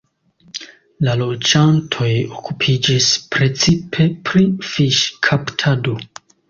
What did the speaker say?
La loĝantoj okupiĝis precipe pri fiŝkaptado.